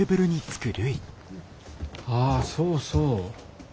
ああそうそう。